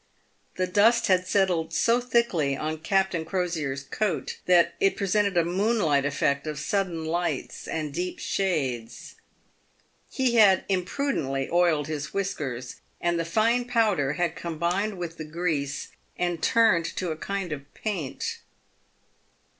The dust PAYED WITH GOLD. 219 had settled so thickly on Captain Crosier's coat that it presented a moonlight effect of sudden lights and deep shades. He had impru dently oiled his whiskers, and the fine powder had combined with the grease, and turned to a kind of paint.